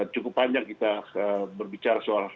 cukup panjang kita berbicara soal